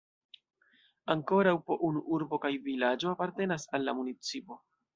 Ankoraŭ po unu urbo kaj vilaĝo apartenas al la municipo.